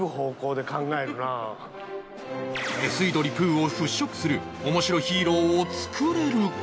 屁吸い鳥プーを払拭する面白ヒーローを作れるか？